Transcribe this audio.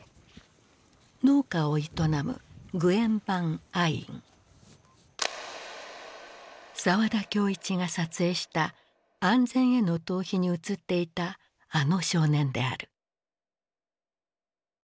農家を営む沢田教一が撮影した「安全への逃避」に写っていたあの少年である。